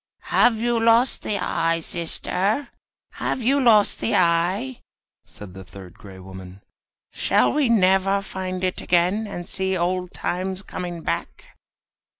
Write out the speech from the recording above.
"Have you lost the eye, sister? have you lost the eye?" said the third gray woman; "shall we never find it again, and see old times coming back?"